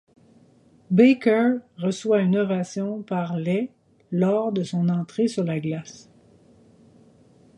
Baker reçoit une ovation par les lors de son entrée sur la glace.